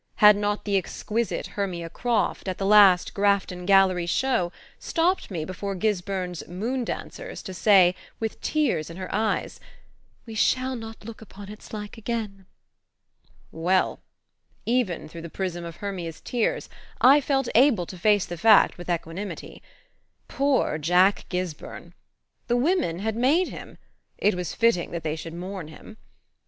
Had not the exquisite Hermia Croft, at the last Grafton Gallery show, stopped me before Gisburn's "Moon dancers" to say, with tears in her eyes: "We shall not look upon its like again"? Well! even through the prism of Hermia's tears I felt able to face the fact with equanimity. Poor Jack Gisburn! The women had made him it was fitting that they should mourn him.